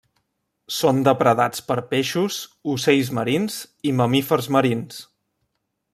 Són depredats per peixos, ocells marins i mamífers marins.